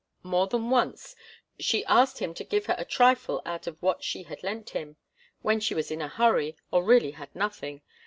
More than once she asked him to give her a trifle out of what she had lent him, when she was in a hurry, or really had nothing.